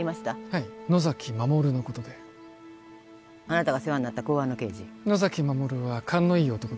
はい野崎守のことであなたが世話になった公安の刑事野崎守は勘のいい男です